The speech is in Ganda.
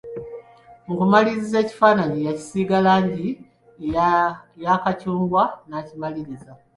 Mukumaliriza ekifananyi yakisiiga langi eya kakyungwa nakimaliriza.